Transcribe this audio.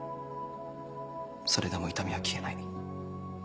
それでも痛みは消えない。